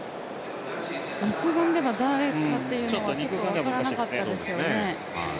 肉眼では誰かっていうのはちょっと分からなかったですよね。